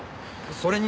それにね。